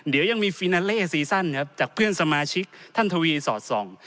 เดี๋ยวยังมีฟีนาเล่ซีซั่นครับจากเพื่อนสมาชิกท่านทวีสอดส่อง